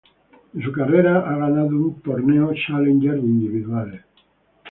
En su carrera ha ganado un torneo Challenger de individuales.